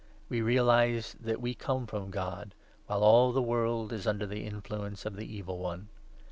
We realize that we come from God, 19 while all the world is under the influence of the Evil One.